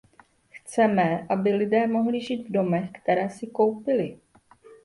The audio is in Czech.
Chceme, aby lidé mohli žít v domech, které si koupili.